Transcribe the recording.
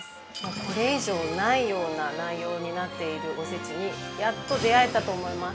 これ以上ないような内容になっているおせちにやっと出会えたと思います。